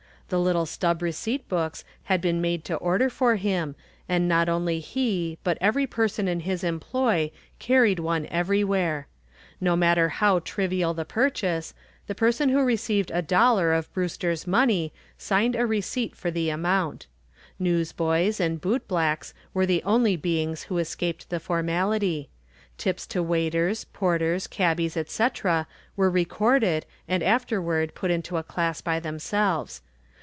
The little stub receipt books had been made to order for him and not only he but every person in his employ carried one everywhere. No matter how trivial the purchase, the person who received a dollar of Brewster's money signed a receipt for the amount. Newsboys and bootblacks were the only beings who escaped the formality; tips to waiters, porters, cabbies, etc., were recorded and afterward put into a class by themselves.